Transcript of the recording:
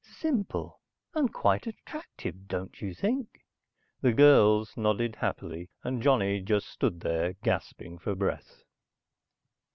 Simple, and quite attractive, don't you think?" The girls nodded happily, and Johnny just stood there gasping for breath.